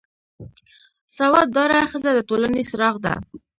سواد داره ښځه د ټولنې څراغ ده